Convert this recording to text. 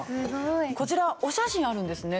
こちらお写真あるんですね。